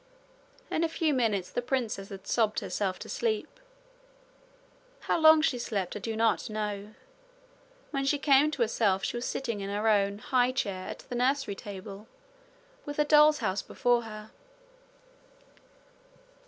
In a few minutes the princess had sobbed herself to sleep. How long she slept I do not know. When she came to herself she was sitting in her own high chair at the nursery table, with her doll's house before her.